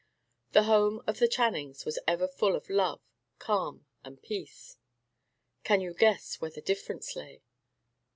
The home of the Channings was ever full of love, calm, and peace. Can you guess where the difference lay?